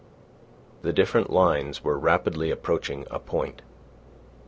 The different lines were rapidly approaching a point.